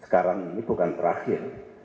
sekarang ini bukan terakhir